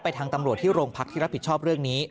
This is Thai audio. ทางตำรวจที่โรงพักที่รับผิดชอบเรื่องนี้